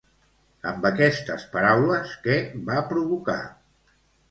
Amb aquestes paraules, què va provocar?